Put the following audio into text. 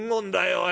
おい。